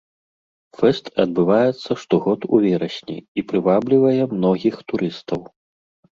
Фэст адбываецца штогод у верасні і прываблівае многіх турыстаў.